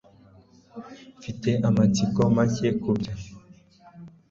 mfite amatsiko make kubyo